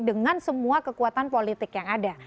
dengan semua kekuatan politik yang ada